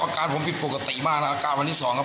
อาการผมผิดปกติมากนะครับอาการวันที่๒ครับ